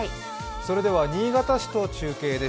それでは新潟市と中継です。